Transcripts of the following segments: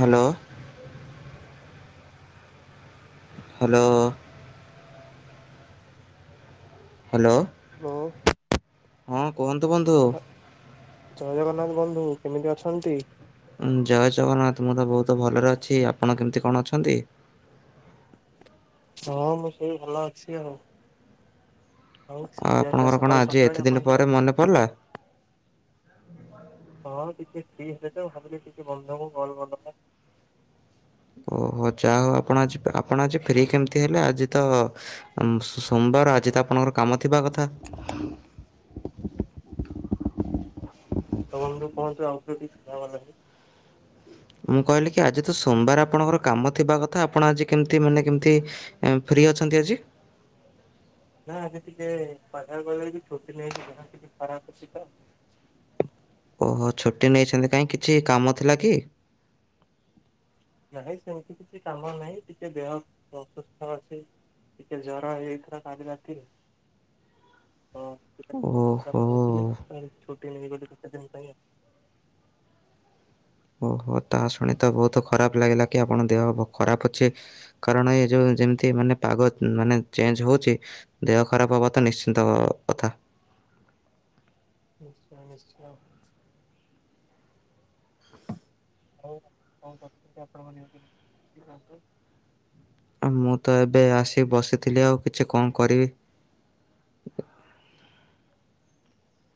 Hello. Hello. [inaudible] Hello. Hello. ହଁ, କୁହନ୍ତୁ ବନ୍ଧୁ ଆଉ। ଜୟ ଜଗନ୍ନାଥ ବନ୍ଧୁ, କେମିତି ଅଛନ୍ତି? ଜୟ ଜଗନ୍ନାଥ, ମୁଁ ତ ବହୁତ୍ ଭଲରେ ଅଛି, ଆପଣ କେମିତି କଣ ଅଛନ୍ତି? ହଁ ମୁଁ ସେଇ ଭଲ ଅଛି ଆଉ। ଆଉ ଆ ଖିଆ ପିଆ ଆପଣଙ୍କର କଣ ସକାଳୁ ଆଜି ସରିଲାଣି ଏତେ ଦିନ ଆପଣଙ୍କର? ପରେ ମନେ ପଡ଼ିଲା। ହଁ ଟିକେ ଫ୍ରି ହେଲେ ତ, ଭାବିଲି ଟିକେ ବନ୍ଧୁଙ୍କୁ କଲ୍ କଦ୍ ବା। ଓହୋ ଯା ହଉ ଆପଣ ଆଜି ଆପଣ ଆଜି ଫ୍ରି କେମିତି ହେଲେ, ଆଜି ତ ସୋମବାର, ଆଜି ତ ଆପଣଙ୍କର କାମ ଥିବା କଥା। ହଁ ବନ୍ଧୁ ପହଞ୍ଚ ଆଉଥରେ ଟିକେ ସୁଧାବା ଲାଗି। ମୁଁ କହିଲି କି ଆଜି ତ ସୋମ୍ବା ର୍ ଆପଣଙ୍କର କାମ ଥିବା କଥା ଆପଣ ଆଜି କେମିତି ମାନେ କେମିତି ଫ୍ରି ଅଛନ୍ତି ଆଜି? ନା ଆଜି ଟିକେ ପାକଗଳେଇ [unintelligible] ଛୁଟି ନେଇଛି ଦେହ ଟିକେ ଖରାପ ଅଛି ତ। ଓହୋ ଛୁଟି ନେଇଛନ୍ତି କାଇଁ କିଛି କାମ ଥିଲା କି? ନାଇଁ ସେମିତି କିଛି କାମ ନାହିଁ, ଟିକେ ଦେହ ଅସୁସ୍ଥ ଅଛି, ଟିକେ ଜର ହେଇଯାଇଥିଲା କାଲି ରାତିରେ। ତ ସେଥିପାଇଁ ଓହୋ ଟେନ ରେ ଗଲି କେତେ ଦିନ ପାଇଁ? [unintelligible] ଓହୋ ତାହା ଶୁଣି ତ ବହୁତ ଖରାପ ଲାଗିଲା କି ତ ଓହୋ ତାସୁଣି ତ ବୋହୁତ ଖରାପ୍ ଲାଗିଲା କି, ଆପଣ ଦେହ ଖରାପ ଅଛି, କାରଣ -ଏ ଯେୋଉ ଯେମିତି ମାନେ ପାଗ ମାନେ ଚେଞ୍ଜ ହଉଛି ଦେହ ଖରାପ ହବା ତ ନିଶ୍ଚିନ୍ତ କଥା। ନିଶ୍ଚୟ ନିଶ୍ଚୟ। [unintelligible] ଆଉ କଣ କର୍ଚ୍ଚନ୍ତି ଆପଣ ମାନେ ଦେହ କେମତି କଣ ଅଛି ବନ୍ଧୁ। [unintelligible] ମୁଁ ତ ଏବେଆସି ବସିଥିଲି ଆଉକିଛି କଣ କରିବି?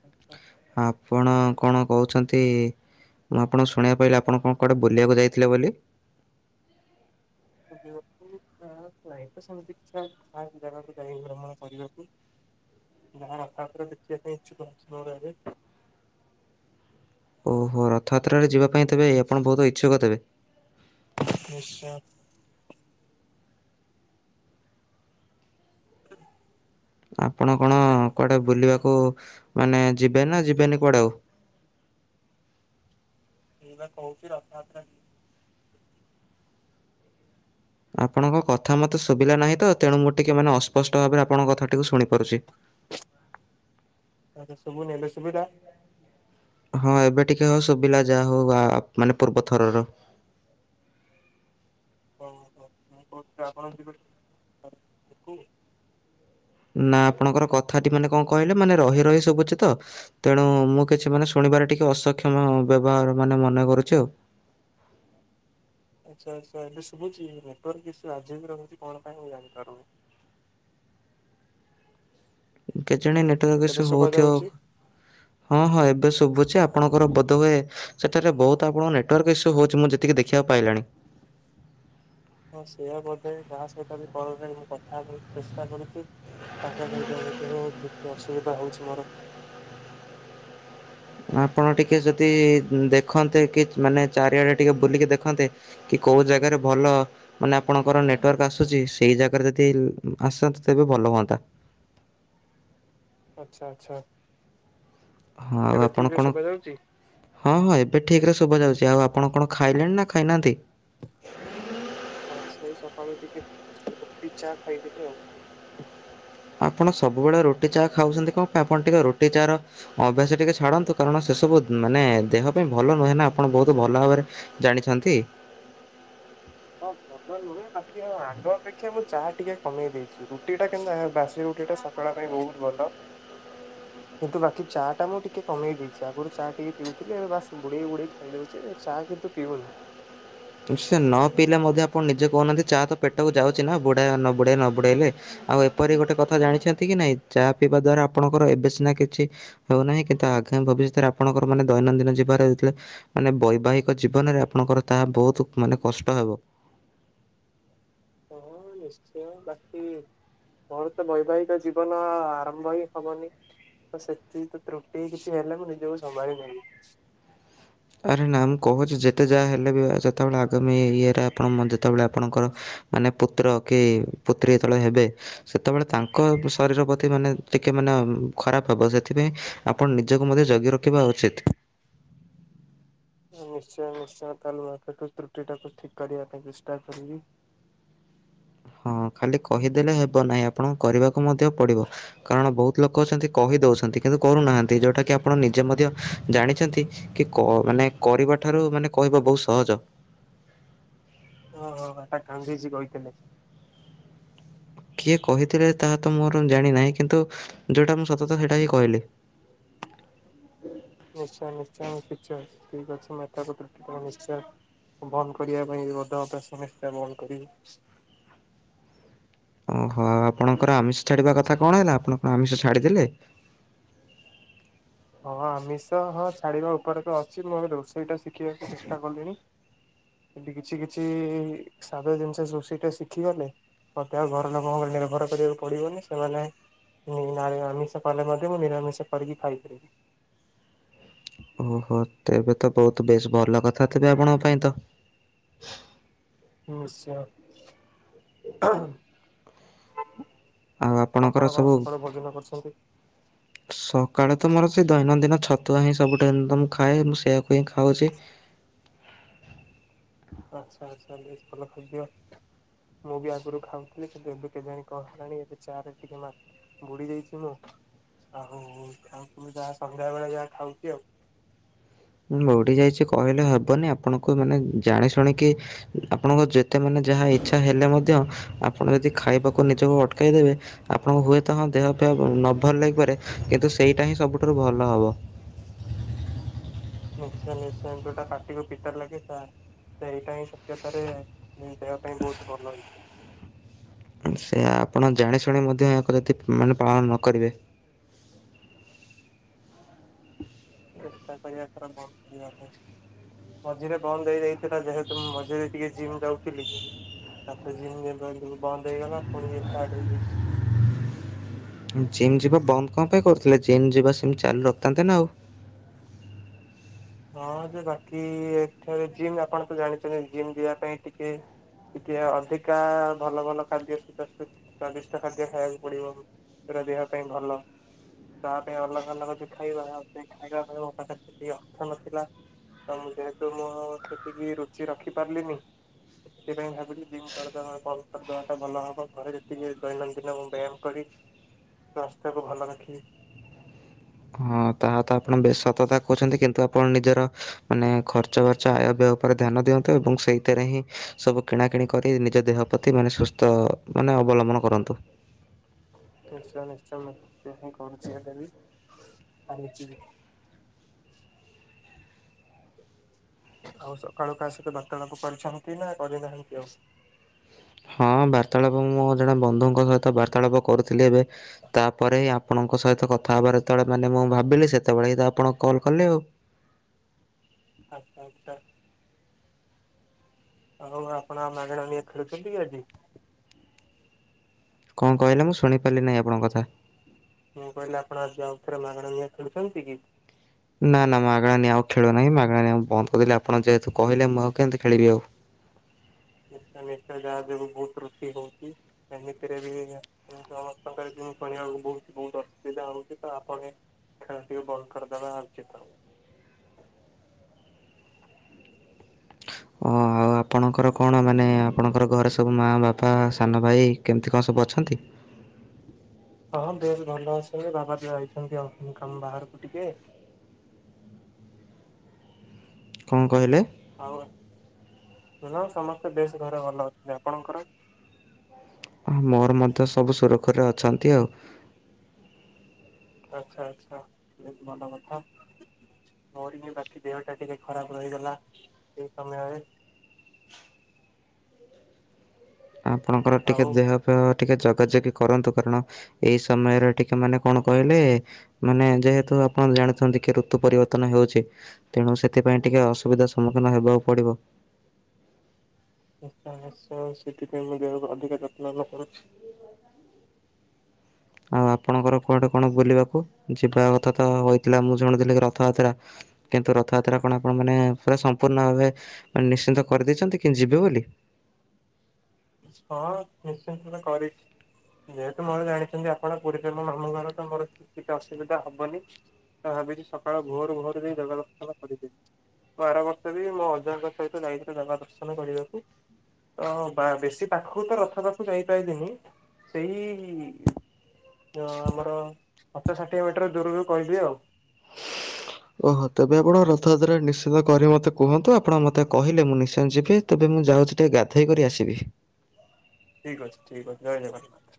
ଆଚ୍ଛା ଆପଣ କଣ କହୁଛନ୍ ନ୍ତି ମୁଁ ଆପଣଙ୍କୁ ଶୁଣିବାକୁ ପାଇିଲି ଆପଣ କଣ କୁଆଡେ ବୁଲିବାକୁ ଯାଇଥିଲେ ବୋଲି? ସେମିତି କିଛି ନାହିଁ ଯାଗାକୁ ଯାଇ ଭ୍ରମଣ କରିବାକୁ ଗାଁ ରଥଯାତ୍ରା ଦେଖିବାକୁ ପାଇଁ ଇଛୁକ ଅଛି ମୋର ଏବେ। ଓ ହୋ ରଥଯାତ୍ରାରେ ଯିବା ପାଇଁ ତେବେ ଆପଣ ବହୁତ ଇଚ୍ଛୁକ ତେବେ। ନିଶ୍ଚୟ। [unintelligible] ଆପଣ କଣ କୁଆଡେ ବୁଲିବାକୁ ମାନେ ଯିବେନାଯିବେନି କୁଆଡେ ଆଉ। ମୁଁ ପା କହୁଛି ରଥଯାତ୍ରା କୁ ନେଇ ଆପଣଙ୍କ କଥାମତେ ଶୁଭିଲାନାହିଁ ତ ତେଣୁ ମୁଁ ଟିକେ ମାନେ ଅସ୍ପଷ୍ଟ ଭାବରେ ଆପଣଙ୍କ କଥାକୁ ଶୁଣି ପାରୁଛି। ତତେଶୁଭୁନି ଏବେ ଶୁଭିଲା। ହଁ ଏବେ ଟିକେ ହଉ ଶୁଭିଲା ଯାହାହଉ ମାନେ ପୂର୍ବ ଥରର। ହଁ ହଁ ମୁଁ କହୁଥିଲି ଆପଣଙ୍କ ଗୋଟେ ଦେବେ। [inaudible] ନା ଆପଣଙ୍କର କଥାଟିମାନେ କଣ କହିଲେ ମାନେ ରହିରହି ସବୁଛିତ ତେଣୁ ମୁଁ କିଛିମାନେ ଶୁଣିବାରେ ଟିକେ ଅସକ୍ଷମ ବ୍ୟବହାରମାନେ ମନେ କରୁଛି ଆଉ। ଆଚ୍ଛା ଆଚ୍ଛା ଏବେ ଶୁଭୁଛି ନେଟୱାର୍କ ଇସୁ ଆଜିବି ରହୁଚି କଣ ପାଇଁ ମୁଁ ଜାଣିପାରୁନି। [unintelligible] ଜଣେ ନେଟୱର୍କ ଏବେ ଇସୁ ଶୁଭା ହଉଥିବ ଯାଉଛି ହଁ ହଁ ଏବେ ଶୁଭୁଚି। ଆପଣଙ୍କର ବୋଧହୁଏ ସେଠାରେ ବହୁତ ଆପଣଙ୍କ ନେଟୱାର୍କ ଇସୁ ହଉଚି ମୁଁ ଯେତିକି ଦେଖିବାକୁ ପାଇଲିଣି। ହଁ ସେଇଆବୋଧେ ଯାହାସହିତ ବି କଲରେ ମୁଁ କଥାହେବା ଚେଷ୍ଟା କରୁଚି ତାଙ୍କ ସହିତ ଏମିତି ହିଁ ଯେତେ ଅସୁବିଧା ହଉଛି ମୋର। ଆପଣ ଟିକେ ଯଦି ଦେଖନ୍ତେ କି ମାନେ ଚାରିଆଡେ ଟିକେ ବୁଲିକି ଦେଖନ୍ତେ କି କୋଉ ଯାଗାରେ ଭଲ ମାନେ ଆପଣଙ୍କର ନେଟୱାର୍କ ଆସୁଚି ସେଇ ଜାଗାରେ ଯଦି ଆସନ୍ତେ ତେବେ ଭଲ ହୁଅନ୍ତା। ଆଚ୍ଛା ଆଚ୍ଛା। ହଁ ଏବେ ଠିକ ରେ ଆପଣକଣ ଶୁଭା ଯାଉଛି? ହଁ ହଁ ଏବେ ଠିକରେ ଶୁଭାଯାଉଛି ଆଉ ଆପଣ କଣ? ଖାଇଲେଣି ନା ଖାଇନାହାନ୍ତି? ହଁ ସେ ସକାଳୁଟିକେ ରୁଟି ଚା ଖାଇଦେବି ଆଉ। ଆପଣ ସବୁବେଳେ ରୁଟି ଚା ଖାଉଚନ୍ତି କଣ ପାଇଁ ଆପଣ ଟିକେ ରୁଟି ଚା ର ଅଭ୍ୟାସ ଟିକେ ଛାଡ଼ନ୍ତୁ କାରଣ ସେ ସବୁ ମାନେ ଦେହ ପାଇଁ ଭଲ ନୁହେଁ ନା ଆପଣ ବହୁତ ଭଲ ଭାବରେ ଜାଣିଛନ୍ତି। ହଁ ଭଲ ନୁହେଁ ବାକି ଆଗ ଅପେକ୍ଷା ମୁଁ ଚା ଟିକେ କମେଇ ଦେଇଚି ରୁଟି ଟା କିନ୍ତୁ ବାସି ରୁଟିଟା ସକାଳ ପାଇଁ ବହୁତ ଭଲ କିନ୍ତୁ ବାକି ଚା ଟା ମୁଁ ଟିକେ କମେଇ ଦେଇଚି ଆଗରୁ ଚା ଟିକେ ପିଉଥିଲି ବାସ୍ ବୁଡ଼େଇ ବୁଡେଇ ଖାଇଦଉଚି ଚା କିନ୍ତୁ ପିଉନି। ସେ ନ ପିଇଲେ ମଧ୍ୟ ଆପଣ ନିଜେ କହୁନାହାନ୍ତି ଚା ତ ପେଟକୁ ଯାଉଚି ନା ବୁଡା ନ ବୁଡ଼େ ନ ବୁଡେଇଲେ ଆଉ ଏପରି ଗୋଟେ କଥା ଜାଣିଛନ୍ତି କି ନାଇଁ ଚା ପିଇବା ଦ୍ଵାରା ଆପଣଙ୍କର ଏବେ ସିନା କିଛି ହେଉନାହିଁ କିନ୍ତୁ ଆଗାମୀ ଭବିଷ୍ୟତରେ ଆପଣଙ୍କର ମାନେ ଦୈନନଦିନ ଜୀବନ ହେଲେ ମାନେ ବୈବାହିକ ଜୀବନରେ ଆପଣଙ୍କର ତାହା ବହୁତ। [unintelligible] ମାନେ କଷ୍ଟ ହେବ। ହଁ ନିଶ୍ଚୟ ବାକି ମୋର ତ ବୈବାହିକ ଜୀବନ ଆରମ୍ଭ ହିଁ ହବନି ତ ସେଥି ତ୍ରୁଟି କିଛି ହେଲେ ମୁଁ ନିଜକୁ ସମ୍ଭାଳି ନେବି। ଆରେ ନା ମୁଁ କହୁଚି ଯେତେ ଯାହା ହେଲେ ବି ସେତେବେଳେ ଆଗାମି ଇଏରେ ଆପଣମ ଯେ ସେତେବେଳେ ଆପଣଙ୍କର ମାନେ ପୁ ପୁତ୍ର କି ପୁତ୍ରୀ ଯେତେବେଳେ ହେବେ ସେତେବେଳେ ତାଙ୍କ ଶରୀରପ୍ରତି ମାନେ ଟିକେମାନେ ଖରାପ ହବ ସେଥିପାଇଁ ଆପଣ ନିଜକୁ ମଧ୍ୟ ଜଗି ରଖିବା ଉଚିତ। ନିଶ୍ଚୟ ନିଶ୍ଚୟ ତାହେଲେ ମାକେର୍ଟ ରୁ ତ୍ରୁଟି ଟାକୁ ଠିକ କରିବା ପାଇଁ ଚେଷ୍ଟା କରିବି। ହଁ ଖାଲି କହିଦେଲେ ହେବ ନାହିଁ ଆପଣ କରିବାକୁ ମଧ୍ୟ ପଡିବ କାରଣ ବହୁତ ଲୋକ ଅଛନ୍ତି କହିଦଉଛନ୍ତି କିନ୍ତୁ କରୁନାହାନ୍ତି ଯୋଉଟା କି ଆପଣ ନିଜେ ମଧ୍ୟ ଜାଣିଛନ୍ତି କି କ ମାନେ କରିବା ଠାରୁ ମାନେ କହିବା ବହୁତ ସହଜ। ଓ ହୋ ଗାନ୍ଧୀଜୀ କହିଥିଲେ। କିଏ କହିଥିଲେ ତାହା ତ ମୋର ଜାଣିନାହିଁ କିନ୍ତୁ ଯୋଉଟା ମୁଁ ସତତ ସେଇଟା ହିଁ କହିଲି। ନିଶ୍ଚୟ ନିଶ୍ଚୟ ମୁଁ ପିଛେ ଠିକ ଅଛି ମୁଁ [unintelligible] ତ୍ରୁଟି ତମ ନିଶ୍ଚୟ ବନ୍ଦ କରିବା ପାଇଁ ବଧ ଅଭ୍ୟାସ ନିଶ୍ଚୟ ବନ୍ଦ କରିବି। ଓ ହୋ ଆପଣଙ୍କର ଆମିଷ ଛାଡିବା କଥା କଣ ହେଲା ଆପଣଙ୍କ ଆମିଷ ଛାଡ଼ିଦେଲେ? ହଁ ଆମିଷ ହଁ ଛାଡ଼ିବା ଉପରେ ତ ଅଛି ମୁଁ ଏବେ ରୋଷେଇଟା ଶିଖିବାକୁ ଚେଷ୍ଟା କଲିଣି କିଛି କିଛି ସାଧା ଜିନିଷ ରୋଷେଇଟା ଶିଖିଗଲେ ମତେ ଆଉ ଘର ଲୋକଙ୍କର ନିର୍ଭର କରିବାକୁ ପଡ଼ିବନି ସେମାନେ ଆମିଷ କଲେ ମଧ୍ୟ ମୁଁ ନିରାମିଷ କରିକି ଖାଇପାରିବି। ଓ ହୋ ତେବେ ତ ବହୁତ ବେଶ ଭଲ କଥା ତେବେ ଆପଣଙ୍କ ପାଇଁ ତ। ନିଶ୍ଚୟ। ଆଉ ଆପଣ ଆପଣଙ୍କର କଣ ସବୁ ସକାଳୁ ଭୋଜନ କରୁଛନ୍ତି? ସକାଳୁ ତ ମୋର ସେଇ ଦୈନଦିନ ଛତୁଆ ହିଁ ସବୁ ଦିନ ତ ମୁ ଖାଏ ମୁ ସେୟାକୁ ହିଁ ଖାଉଚି। ଆଚ୍ଛା ଆଚ୍ଛା ବେଶ ଭଲ ଖାଦ୍ୟ ମୁଁ ବି ଆଗରୁ ଖାଉଥିଲି କିନ୍ତୁ ଏବେ କେଜାଣି କଣ ହେଲାଣି ଏବେ ଚା ରେ ଟିକେ ମା ବୁଡିଯାଇଚି ମୁଁ ଆଉ ଯାହା ସନ୍ଧ୍ୟା ବେଳେ ଯାହା ଖାଉଚି ଆଉ। ଲୋଡି ଯାଇଚି କହିଲେ ହବନି ଆପଣଙ୍କୁ ମାନେ ଜାଣି ଶୁଣିକି ଆପଣଙ୍କ ଯେତେ ମାନେ ଯାହା ଇଛା ହେଲେ ମଧ୍ୟ ଆପଣ ଯଦି ଖାଇବାକୁ ନିଜକୁ ଅଟକେଇଦେବେ ଆପଣଙ୍କୁ ହୁଏତ ହଁ ଦେହ ଫେହ ନ ଭଲ ଲାଗିପାରେ କିନ୍ତୁ ସେଇଟା ହିଁ ସବୁଠାରୁ ଭଲ ହବ। ନିଶ୍ଚୟ ନିଶ୍ଚୟ ଯୋଉଟା ପାଟିିକୁ ପିତା ଲାଗେ ସେଟା ସେଇଟା ହିଁ ସତ୍ୟତାରେ ହିଁ ଦେହ ପାଇଁ ବହୁତ ଭଲ ହେଇଥାଏ। ସେ ଆପଣ ଜାଣି ଶୁଣି ମଧ୍ୟ ୟାକୁ ଯଦି ମାନେ ପାଳନ ନ କରିବେ। ଚେଷ୍ଟା କରିବା ଏଥର ବନ୍ଦ କରିବା ପାଇଁ ମଝିରେ ବନ୍ଦ ହେଇଯାଇଥିଲା ଯେହେତୁ ମୁଁ ମଝିରେ ଟିକେ ଜିମ୍ ଯାଉଥିଲି ତାପରେ ଜିମ୍ ଯେବେଠୁ ବନ୍ଦ ହେଇଗଲା ପୁଣି ଇଏ ଷ୍ଟାର୍ଟ ହେଇଯାଇଛି। ଜିମ୍ ଯିବା ବନ୍ଦ କଣ ପାଇଁ କରୁଥିଲେ ଜିମ୍ ଯିବା ସେମିତି ଚାଲୁ ରଖିଥାନ୍ତେ ନା ଆଉ। ହଁ ଯେ ବାକି ଏଠାରେ ଜିମ୍ ଆପଣ ତ ଜାଣିଛନ୍ତି ଜିମ୍ ଯିବା ପାଇଁ ଟିକେ ଟିକେ ଅଧିକା ଭଲ ଭଲ ଖାଦ୍ୟ ସୁଦଷ୍ଟିତ ସ୍ଵାଦିଷ୍ଟ ଖାଦ୍ୟ ଖାଇବାକୁ ପଡିବ ଯୋଉରା ଦେହ ପାଇଁ ଭଲ ତା ପାଇଁ ଅଲଗା ଅଲଗା ଯୋଉ ଖାଇବା ଖାଇବା ପାଇଁ ମୋ ପାଖରେ ସେତିକି ଅ ର୍ଥ ନଥିଲା ତ ମୁ ଯେହେତୁ ମୁଁ ସେତିକି ରୁଚି ରଖି ପାରିଲିନି ସେଥିପାଇଁ ଭାବିଲି ଜିମ୍ କରିଦବା ବନ୍ଦ କରିଦବା ଟା ଭଲ ହବ ଘରେ ଯେତିକି ଦୈନନ୍ଦିନ ମୁଁ ବ୍ୟାୟାମ କରି ସ୍ୱାସ୍ଥ୍ୟକୁ ଭଲ ରଖିବି। ହୁଁ ତାହା ତ ଆପଣ ବେଶ ସତ କହୁଛନ୍ତି କିନ୍ତୁ ଆପଣ ନିଜର ମାନେ ଖର୍ଚ୍ଚ ବାର୍ଚ୍ଚ ଆୟବେୟ ଉପରେ ଧ୍ୟାନ ଦିଅନ୍ତୁ ଏବଂ ସେଇଥିରେ ହିଁ ସବୁ କିଣାକିଣି କରି ନିଜ ଦେହ ପ୍ରତି ମାନେ ସୁସ୍ଥ ମାନେ ଅବଲମ୍ବନ କରନ୍ତୁ। ନିଶ୍ଚୟ ନିଶ୍ଚୟ ମୁଁ ଏହା ହିଁ କରୁଛି ଏବେ ବି ଚାଲିଚି ବି। ଆଉ ସକାଳୁ କାହା ସହିତ ବାର୍ତ୍ତାଳାପ କରିଛନ୍ତି ନା କରିନାହାନ୍ତି ଆଉ? ହଁ ବାର୍ତାଳାପ ମୁଁ ଜଣେ ବନ୍ଧୁଙ୍କ ସହିତ ବାର୍ତାଳାପ କରୁଥିଲି ଏବେ ତାପରେ ହିଁ ଆପଣଙ୍କ ସହିତ କଥା ହେବାର ଯେତେବେଳେ ମାନେ ମୁଁ ଭାବିଲି ସେତେବେଳେ ହିଁ ତ ଆପଣଙ୍କୁ କଲ୍ କଲେ ଆଉ। ଆଛା ଆଛା ଆଉ ଆପଣ ମାଗଣା ଗେମ୍ ଖେଳୁଛନ୍ତି କି ଆଜି? କଣ କହିଲେ ମୁଁ ଶୁଣିପାରିଲି ନାହିଁ ଆପଣଙ୍କ କଥା। ମୁଁ କହିଲି ଆପଣ [unintelligible] ମାଗଣା [unintelligible] ଖେଳୁଛନ୍ତି କି? ନା ନା ମାଗଣାଣିଆ ଆଉ ଖେଳୁନାହିଁ ମାଗଣାଣିଆ ବନ୍ଦ କରିଦେଲି ଆପଣ ଯେହେତୁ କହିଲେ ମୁଁ ଆଉ କେମିତି ଖେଳିବି ଆଉ। ନିଶ୍ଚୟ ନିଶ୍ଚୟ ଯାହା ଯୋଗୁଁ ବହୁତ ତୃଟି ହଉଛି ଏମିତିରେ ବି ସମସ୍ତଙ୍କର ଜ୍ୱାଇଁପାଣିଆକୁ ବହୁତ ବହୁତ ଅସୁବିଧା ହଉଛି ତ ଆପଣ ଏଟାକୁ ଟିକେ ବନ୍ଦ କରିଦବା ଉଚିତ। ଓ ଆଉ ଆପଣଙ୍କର କଣ ମାନେ ଆପଣଙ୍କର ଘରେ ସବୁ ମାଆ, ବାପା, ସାନ ଭାଇ କେମିତି କଣ ସବୁ ଅଛନ୍ତି? ହଁ ବେଶ୍ ଭଲ ଅଛନ୍ତି। ବାବା ଟିକେ ଯାଇଛନ୍ତି ଆଉ କଣ କାମ ବାହାରକୁ ଟିକେ। କଣ କହିଲେ? ଆଉ, ନା ସମସ୍ତେ ବେଶ୍ ଘରେ ଭଲ ଅଛନ୍ତି। ଆପଣଙ୍କର? ତି ଆଉ। ଆଚ୍ଛା ଆଚ୍ଛା ବହୁତ ଭଲ କଥା ମୋର ହି ବାକି ଦେହ ଟା ଟିକେ ଖରାପ ରହିଗଲା ସେଇ ସମୟରେ। ଆପଣଙ୍କର ଆଉ ଟିକେ ଦେହ ଫେହ ଟିକେ ଯଗାଯଗି କରନ୍ତୁ କାରଣ ଏଇ ସମୟରେ ଟିକେ ମାନେ କଣ କହିଲେ ମାନେ ଯେହେତୁ ଆପଣ ଜାଣିଛନ୍ତି କି ଋତୁ ପରିବର୍ତ୍ତନ ହେଉଛି ତେଣୁ ସେଥିପାଇଁ ଟିକେ ଅସୁବିଧା ସମ୍ମୁଖୀନ ହେବାକୁ ପଡିବ। ନିଶ୍ଚୟ ନିଶ୍ଚୟ ସେଥିପାଇଁ ମୁଁ ଦେହକୁ ଅଧିକା ଯତ୍ନ ନ କରୁଛି। ଆଉ ଆପଣଙ୍କର କୁଆଡେ କଣ ବୁଲିବାକୁ ଯିବା କଥା ତ ହୋଇଥିଲା। ମୁଁ ଶୁଣୁଥିଲି କି ରଥଯାତ୍ରା କିନ୍ତୁ ରଥଯାତ୍ରା କଣ ଆପଣ ମାନେ ପୁରା ସମ୍ପୂର୍ଣ୍ଣ ଭାବେ ମାନେ ନିଶ୍ଚିନ୍ତ କରିଦେଇଛନ୍ତି କି ଯିବେ ବୋଲି? ହଁ ନିଶ୍ଚିନ୍ତ ତ କରିଛି ଯେହେତୁ ମୋର ଜାଣିଛନ୍ତି ଆପଣ ପୁରୀରେ ମୋ ମାମୁଁ ଘର ତ ମୋର କିଛିବି ଅସୁବିଧା ହବନି। ତ ଭାବିଛି ସକାଳ ଭୋରୁ ଭୋରୁ ଯାଇ ଜଗା ଦର୍ଶନ କରିଦେବି। ମୁଁ ଆର ବର୍ଷ ବି ମୋ ଅଜାଙ୍କ ସହିତ ଯାଇଥିଲି ଜଗା ଦର୍ଶନ କରିବାକୁ ତ ବା ବେଶୀ ସେଇ ପାଖକୁ ତ ରଥ ପାଖକୁ ଯାଇପାଇଲିନି ସେଇ-ଇ-ଇ-ଇ ଅ ଆମର ପଞ୍ଚ ଷାଠିଏ ମିଟର ଦୂରରୁ କହିବି ଆଉ। ଓହୋ ତେବେ ଆପଣ ରଥଯାତ୍ରାରେ ନିଶ୍ଚିନ୍ତ କରି ମତେ କୁହନ୍ତୁ ଆପଣ ମତେ କହିଲେ ମୁଁ ନିଶ୍ଚୟ ଯିବି। ତେବେ ମୁଁ ଯାଉଛି ଟିକେ ଗାଧେଇ କରି ଆସିବି। ଠିକ ଅଛି ଠିକ ଅଛି ଜୟ ଜଗନ୍ନାଥ।